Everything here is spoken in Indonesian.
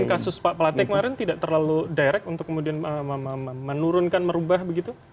kasus pak plate kemarin tidak terlalu direct untuk kemudian menurunkan merubah begitu